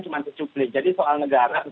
cuma secuplik jadi soal negara bukan soal